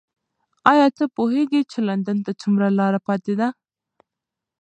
ایا ته پوهېږې چې لندن ته څومره لاره پاتې ده؟